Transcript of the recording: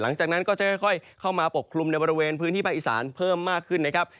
หลังจากนั้นก็จะค่อยเข้ามาปกคลุมในบริเวณพื้นที่ภาคอีสานเพิ่มมากขึ้นนะครับ